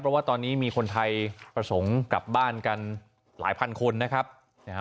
เพราะว่าตอนนี้มีคนไทยประสงค์กลับบ้านกันหลายพันคนนะครับนะฮะ